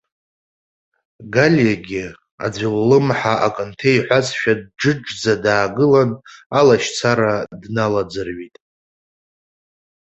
Галиагьы, аӡәы ллымҳа акы нҭеиҳәазшәа дџыџӡа даагылан, алашьцара дналаӡырҩит.